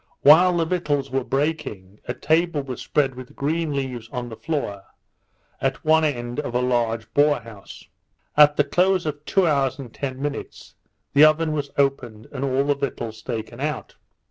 While the victuals were baking, a table was spread with green leaves on the floor, at one end of a large boat house. At the close of two hours and ten minutes, the oven was opened, and all the victuals taken out.